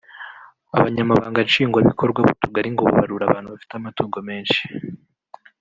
Abanyamabanga nshingwabikorwa b’utugari ngo babarura abantu bafite amatungo menshi